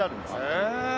へえ！